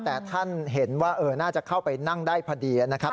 แต่ท่านเห็นว่าน่าจะเข้าไปนั่งได้พอดีนะครับ